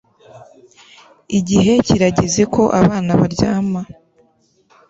Igihe kirageze ko abana baryama